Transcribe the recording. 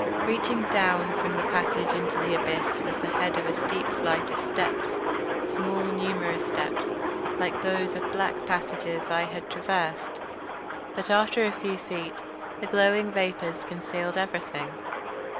Reaching down from the passage into the abyss was the head of a steep flight of steps—small numerous steps like those of the black passages I had traversed—but after a few feet the glowing vapours concealed everything.